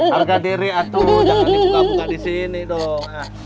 harga diri atu jangan dibuka buka disini dong